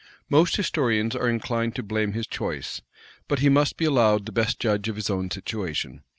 Most historians are inclined to blame his choice; but he must be allowed the best judge of his own situation.